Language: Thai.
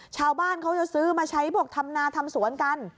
ชาวบ้านเขาจะซื้อมาใช้พวกทำนาทำสวนกัน